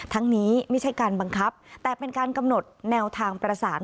นี้ไม่ใช่การบังคับแต่เป็นการกำหนดแนวทางประสาน